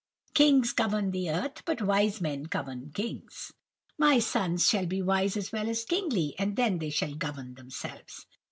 "Kings govern the earth, but wise men govern kings." My sons shall be wise as well as kingly, and then they can govern themselves.